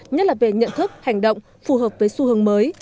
nhất là về nhận thức hành động phù hợp với xu hướng mới